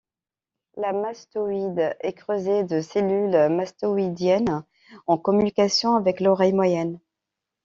La mastoïde est creusée de cellules mastoïdiennes en communication avec l'oreille moyenne.